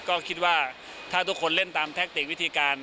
ก็คิดว่าถ้าทุกคนเล่นตามแทคติกวิธีการ